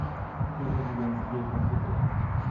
Taisez-vous donc ! j’y ai pensé pour vous.